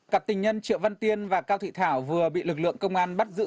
cặp tình nhân triệu văn tiên và cao thị thảo vừa bị lực lượng công an bắt giữ